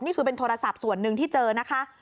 นี่คือเป็นโทรศัพท์ส่วนหนึ่งที่เจอนะคะ